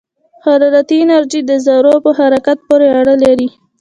حرارتي انرژي د ذرّو په حرکت پورې اړه لري.